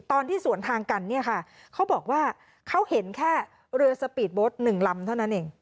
ตอนที่สวนทางกันเนี่ยค่ะเขาบอกว่าเขาเห็นแค่เรือสปีดโบสต์๑ลำเท่านั้นเอง